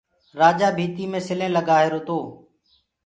رآجو ڀيٚتيٚ مي سلينٚ لگآهيروئو